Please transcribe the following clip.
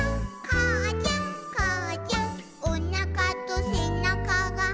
「かあちゃんかあちゃん」「おなかとせなかが」